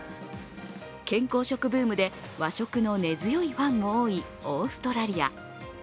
健康食ブームで和食の根強いファンも多いオーストラリア。